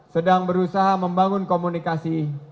sedang berusaha membangun komunikasi